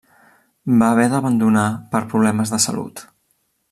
Va haver d'abandonar per problemes de salut.